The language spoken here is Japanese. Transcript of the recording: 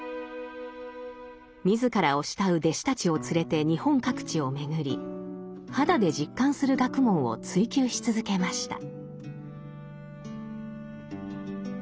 自らを慕う弟子たちを連れて日本各地を巡り肌で実感する学問を追究し続けました。